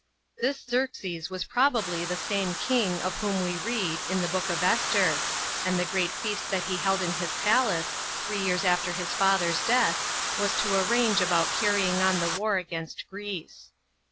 This Xerxes was probably the same king of whom we reafl, in the Book of Esther, and the great feast that he held in his palace, three years after his father's death, was to arrange about carrying on the war against Greece.